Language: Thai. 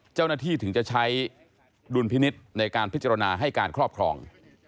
เจ้าหน้าที่ถึงจะใช้ดุลพินิษฐ์ในการพิจารณาให้การครอบครอง